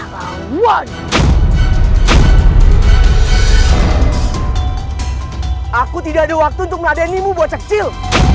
aku tidak ada waktu untuk meladenimu bocah kecil